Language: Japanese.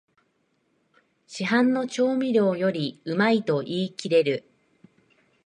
市販の調味料よりうまいと言いきれる